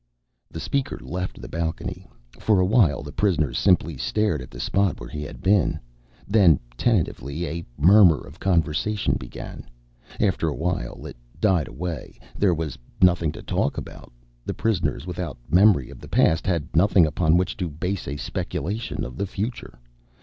The speaker left the balcony. For a while, the prisoners simply stared at the spot where he had been. Then, tentatively, a murmur of conversation began. After a while it died away. There was nothing to talk about. The prisoners, without memory of the past, had nothing upon which to base a speculation of the future.